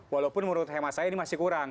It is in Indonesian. walaupun menurut hemat saya ini masih kurang